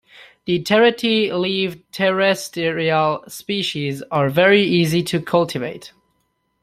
The terete-leaved terrestrial species are very easy to cultivate.